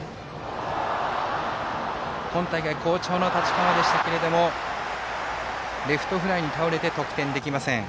今大会、好調の太刀川でしたがレフトフライに倒れて得点できません。